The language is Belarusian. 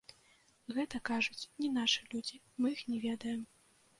Гэта, кажуць, не нашы людзі, мы іх не ведаем.